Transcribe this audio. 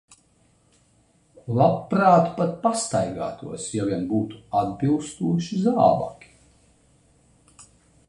Labprāt pat pastaigātos, ja vien būtu atbilstoši zābaki.